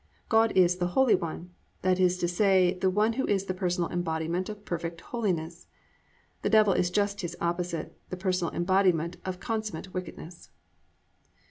God is "The Holy One," that is to say the One who is the personal embodiment of perfect holiness. The Devil is just His opposite, the personal embodiment of consummate wickedness.